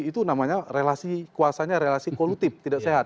itu namanya relasi kuasanya relasi kolutif tidak sehat